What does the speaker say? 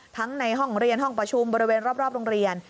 ในห้องเรียนห้องประชุมบริเวณรอบโรงเรียน